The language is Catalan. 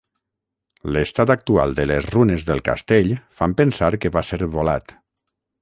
L'estat actual de les runes del castell fan pensar que va ser volat.